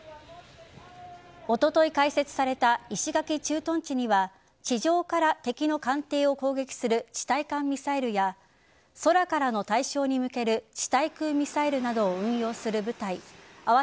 おととい開設された石垣駐屯地には地上から敵の艦艇を攻撃する地対艦ミサイルや空からの対象に向ける地